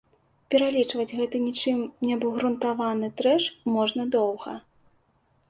Пералічваць гэты нічым не абгрунтаваны трэш можна доўга.